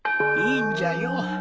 いいんじゃよ。